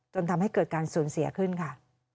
จนทำให้เกิดการสูญเสียขึ้นค่ะ